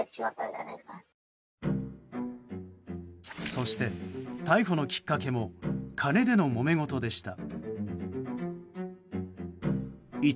そして、逮捕のきっかけも金でのもめごとでした。